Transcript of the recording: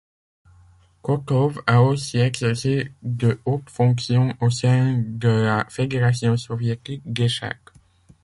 Kotov a aussi exercé de hautes fonctions au sein de la fédération soviétique d'échecs.